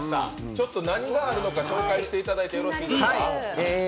ちょっと何があるのか紹介していただいてよろしいですか？